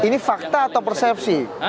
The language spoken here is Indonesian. ini fakta atau persepsi